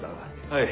はい。